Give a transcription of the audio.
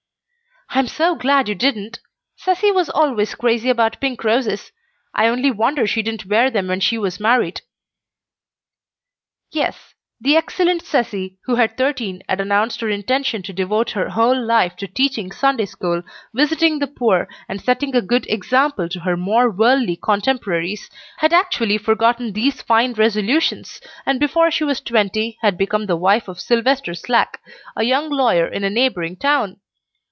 "I'm so glad you didn't! Cecy was always crazy about pink roses. I only wonder she didn't wear them when she was married!" Yes; the excellent Cecy, who at thirteen had announced her intention to devote her whole life to teaching Sunday School, visiting the poor, and setting a good example to her more worldly contemporaries, had actually forgotten these fine resolutions, and before she was twenty had become the wife of Sylvester Slack, a young lawyer in a neighboring town!